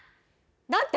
だって